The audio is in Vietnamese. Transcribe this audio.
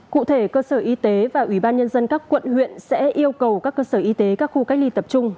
cụ thể cơ sở y tế và ủy ban nhân dân các quận huyện sẽ yêu cầu các cơ sở y tế các khu cách ly tập trung